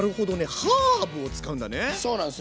ハーブを使うんだね。